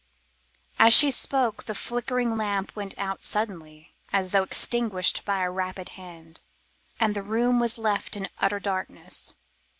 As she spoke the flickering lamp went out suddenly as though extinguished by a rapid hand, and the room was left in utter darkness.